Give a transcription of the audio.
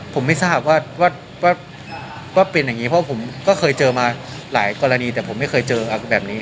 ผมไม่ทราบว่าเป็นอย่างนี้เพราะผมก็เคยเจอมาหลายกรณีแต่ผมไม่เคยเจอครับแบบนี้